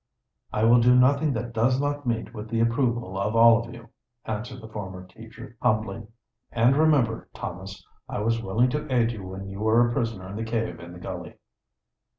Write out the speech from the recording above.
"I will do nothing that does not meet with the approval of all of you," answered the former teacher humbly. "And remember, Thomas, I was willing to aid you when you were a prisoner in the cave in the gully."